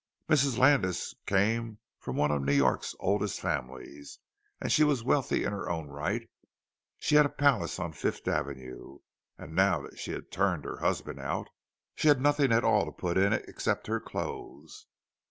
'" Mrs. Landis came from one of New York's oldest families, and she was wealthy in her own right; she had a palace on Fifth Avenue, and now that she had turned her husband out, she had nothing at all to put in it except her clothes.